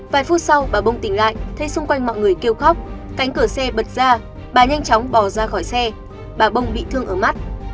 vài phút sau bà bông tình lại thấy xung quanh mọi người kêu khóc cánh cửa xe bật ra bà nhanh chóng bỏ ra khỏi xe bà bông bị thương ở mắt